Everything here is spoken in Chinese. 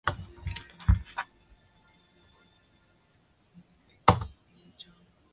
世界青年拉力锦标赛所举办的世界性拉力系列赛。